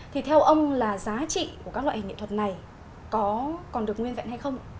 thì theo ông là giá trị của các loại hình nghệ thuật này có còn được nguyên vẹn hay không